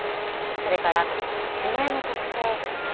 それから地名の特定。